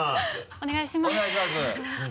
お願いします。